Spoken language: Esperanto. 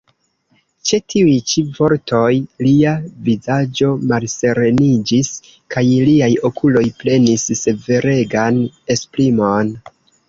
Ĉe tiuj ĉi vortoj lia vizaĝo malsereniĝis, kaj liaj okuloj prenis severegan esprimon.